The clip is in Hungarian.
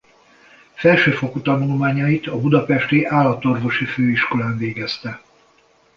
Felsőfokú tanulmányait a budapesti Állatorvosi Főiskolán végezte.